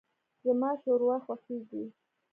زما ښوروا خوښیږي.